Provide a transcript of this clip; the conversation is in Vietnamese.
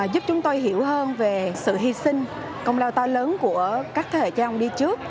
giúp chúng tôi hiểu hơn về sự hy sinh công lao to lớn của các thế hệ cha ông đi trước